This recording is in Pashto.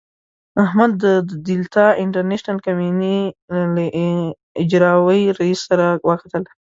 احمد د دلتا انټرنشنل کمينۍ له اجرائیوي رئیس سره وکتل.